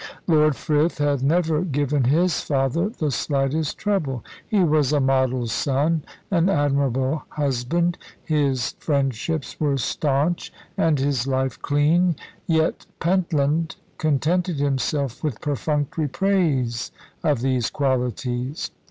Lord Frith had never given his father the slightest trouble; he was a model son, an admirable husband; his friendships were staunch, and his life clean yet Pentland contented himself with perfunctory praise of these qualities.